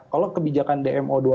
kalau kebijakan dmo itu